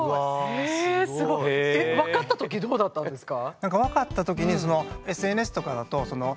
へえすごい。分かったときどうだったんですか？